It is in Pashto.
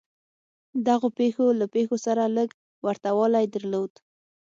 دغو پېښو له پېښو سره لږ ورته والی درلود.